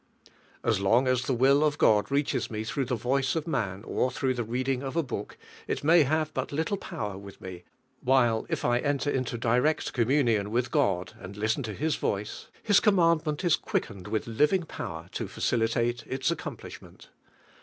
As long as the will of God reaches me I it rough the voice of man, or through the reading of a bonk, ii may have lint little power with me, while it I enter inln ilireel cnniiiuiliioii willl God. and listen to His voice, His command ment is quickened with living power to facilitate its accomplishment.